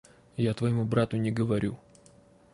Я твоему брату не говорю.